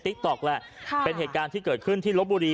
ต๊อกแหละค่ะเป็นเหตุการณ์ที่เกิดขึ้นที่ลบบุรี